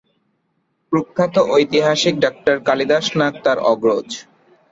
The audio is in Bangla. প্রখ্যাত ঐতিহাসিক ডাক্তার কালিদাস নাগ তার অগ্রজ।